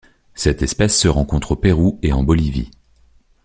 Cette espèce se rencontre au Pérou et en Bolivie.